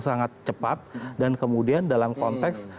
sangat cepat dan kemudian dalam konteks